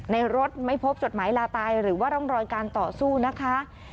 รถไม่พบจดหมายลาตายหรือว่าร่องรอยการต่อสู้นะคะ